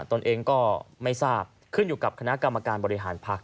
ตนเองก็ไม่ทราบขึ้นอยู่กับคณะกรรมการบริหารพักษ